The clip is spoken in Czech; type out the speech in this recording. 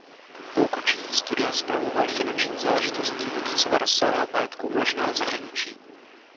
Po ukončení studia spravoval finanční záležitosti otcova rozsáhlého majetku uloženého v zahraničí.